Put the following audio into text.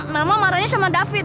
mama marahnya sama david